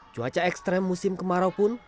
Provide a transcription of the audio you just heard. cuaca ekstrem musim kemarau pun